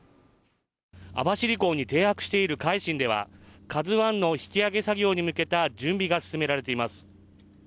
網走港に停泊している「海進」では「ＫＡＺＵⅠ」の引き揚げ作業に向けた準備が進められています。